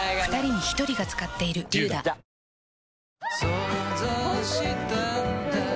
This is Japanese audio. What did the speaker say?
想像したんだ